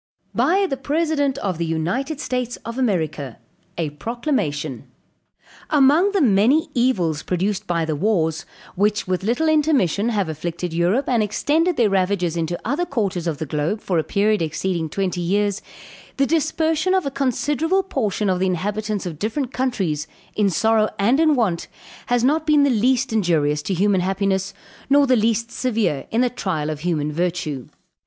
BY THE PRESIDENT OF THE UNITED STATES OF AMERICA. A PROCLAMATION. "Among the many evils produced by the wars, which, with little intermission, have afflicted Europe, and extended their ravages into other quarters of the globe, for a period exceeding twenty years, the dispersion of a considerable portion of the inhabitants of different countries, in sorrow and in want, has not been the least injurious to human happiness, nor the least severe in the trial of human virtue.